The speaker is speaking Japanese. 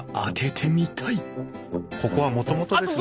ここはもともとですね。